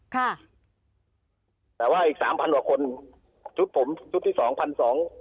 ค่ะแต่ว่าอีกสามพันกว่าคนชุดผมชุดที่สองพันสอง